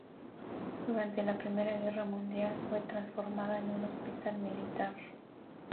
Durante la Primera Guerra Mundial fue transformada en un hospital militar.